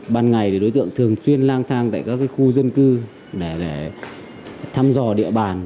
ban ngày thì đối tượng thường chuyên lang thang tại các khu dân cư để thăm dò địa bàn